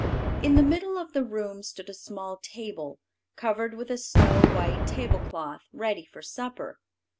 In the middle of the room stood a small table, covered with a snow white table cloth, ready for supper.